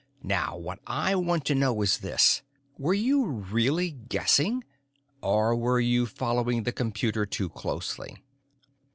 Now, what I want to know is this: were you really guessing or were you following the computer too closely?"